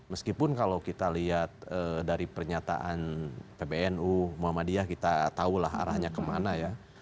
meskipun kalau kita lihat dari pernyataan pbnu muhammadiyah kita tahulah arahnya kemana ya